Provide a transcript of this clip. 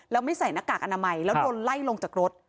แล้วไม่ใส่หน้ากากอนามัยแล้วโดนไล่ลงจากรถ